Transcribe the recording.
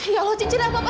ya allah cincin apa apa